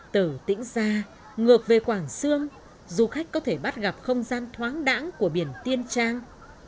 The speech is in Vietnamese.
từ tĩnh gia ngược về quảng sương du khách có thể bắt gặp không gian thoáng đẳng của biển tiên trang